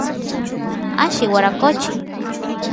alli waraqochi